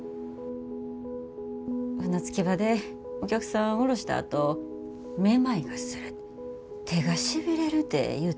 船着き場でお客さん降ろしたあとめまいがする手がしびれるて言うたんやて。